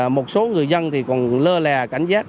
một số người dân còn lơ lè cảnh giác